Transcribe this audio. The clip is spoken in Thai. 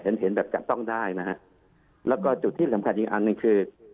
แล้วก็จุดที่สำคัญอีกอันนั้นคือ